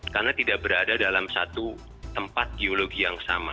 karena tidak berada dalam satu tempat geologi yang sama